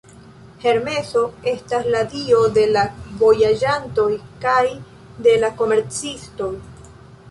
Hermeso estas la dio de la vojaĝantoj kaj de la komercistoj.